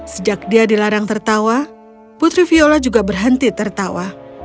sejak dia dilarang tertawa putri viola juga berhenti tertawa